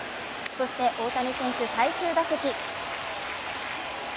そして大谷選手、最終打席。